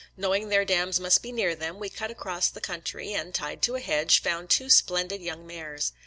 Knowing their dams must be near them, we cut across the country, and, tied to a hedge, found two splendid young mares.